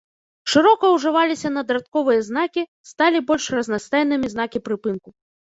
Шырока ўжываліся надрадковыя знакі, сталі больш разнастайнымі знакі прыпынку.